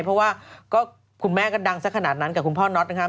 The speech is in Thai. เพราะว่าก็คุณแม่ก็ดังสักขนาดนั้นกับคุณพ่อน็อตนะครับ